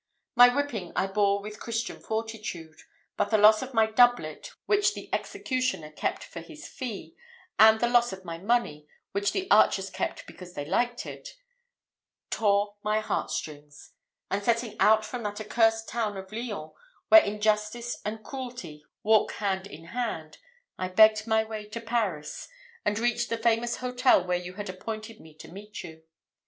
My whipping I bore with Christian fortitude; but the loss of my doublet, which the executioner kept for his fee, and the loss of my money, which the archers kept because they liked it, tore my heartstrings; and setting out from that accursed town of Lyons, where injustice and cruelty walk hand in hand, I begged my way to Paris, and reached the famous hotel where you had appointed me to meet you.